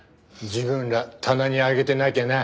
自分ら棚に上げてなきゃな。